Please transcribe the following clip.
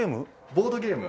ボードゲーム。